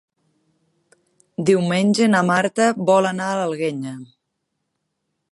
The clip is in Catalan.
Diumenge na Marta vol anar a l'Alguenya.